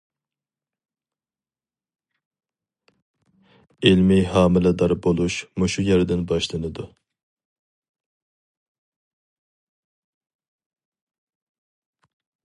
ئىلمى ھامىلىدار بولۇش مۇشۇ يەردىن باشلىنىدۇ.